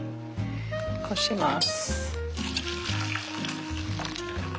こします。